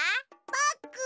パックン！